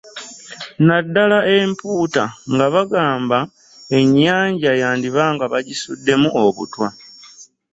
Naddala empuuta nga bagamba ennyanja yandiba nga baagisuddemu obutwa.